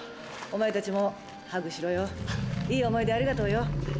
お前たちもハグしろよいい思い出ありがとうよ。